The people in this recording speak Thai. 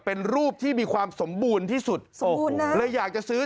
เป็นรูปที่มีความสมบูรณ์ที่สุดสมบูรณ์นะเลยอยากจะซื้อ